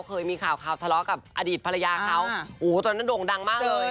เคยมีข่าวข่าวทะเลาะกับอดีตภรรยาเขาโอ้โหตอนนั้นโด่งดังมากเลย